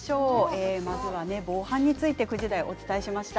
防犯について９時台にお伝えしました。